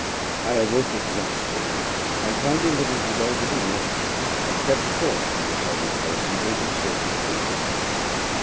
I awoke exhausted; and, finding that it was already night, I crept forth from my hiding place, and went in search of food.